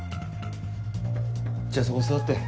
じゃそこ座って。